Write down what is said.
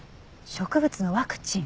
植物のワクチン。